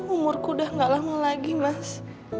umurku udah gak lama lagi mas